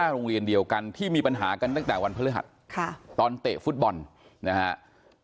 โรงเรียนเดียวกันที่มีปัญหากันตั้งแต่วันพฤหัสตอนเตะฟุตบอลนะฮะ